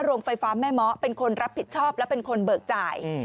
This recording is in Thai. โรงไฟฟ้าแม่เมาะเป็นคนรับผิดชอบและเป็นคนเบิกจ่าย